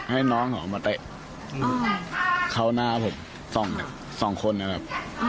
ให้น้องเขาออกมาเตะเข้าหน้าผมสองคนนะครับ